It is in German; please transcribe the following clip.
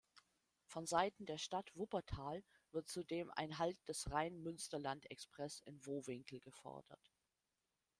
Von Seiten der Stadt Wuppertal wird zudem ein Halt des Rhein-Münsterland-Express in Vohwinkel gefordert.